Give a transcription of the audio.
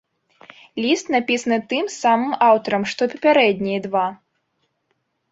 Ліст напісаны тым самым аўтарам, што і папярэднія два.